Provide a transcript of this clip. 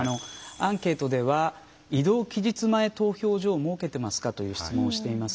アンケートでは「移動期日前投票所を設けてますか」という質問をしています。